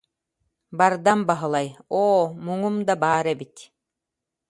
Бардам Баһылай: «Оо, муҥум да баар эбит